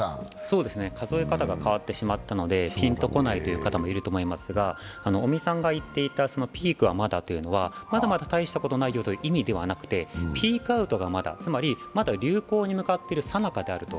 数え方が変わってしまったのでピンとこないという方もいるとは思いますが尾身さんが言っていた「ピークはまだ」というのは、まだまだ大したことはないよという意味ではなくてピークアウトがまだ、つまりまだ流行に向かっているさなかだと。